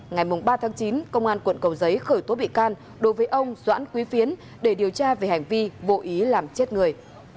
ngày ba tháng chín công an quận cầu giấy khởi tố bị can đối với ông doãn quý phiến để điều tra về hành vi vô ý làm chết người